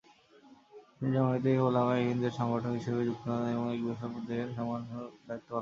তিনি জমিয়তে উলামায়ে হিন্দ- এর সংগঠক হিসাবে নিযুক্ত হন এবং এক বছরের জন্য এর প্রধান সংগঠক হিসাবেও দায়িত্ব পালন করেন।